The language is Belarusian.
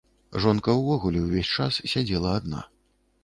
Жонка ўвогуле ўвесь час сядзела адна.